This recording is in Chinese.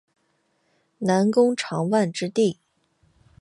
南宫长万之弟。